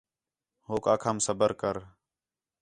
ہوک آکھام صبر کر